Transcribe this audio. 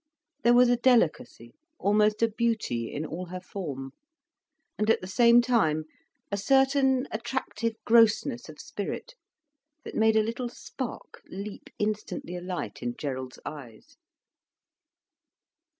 There was a delicacy, almost a beauty in all her form, and at the same time a certain attractive grossness of spirit, that made a little spark leap instantly alight in Gerald's eyes.